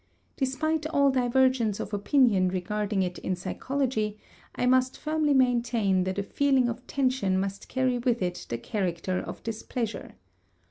Despite all divergence of opinion regarding it in psychology, I must firmly maintain that a feeling of tension must carry with it the character of displeasure.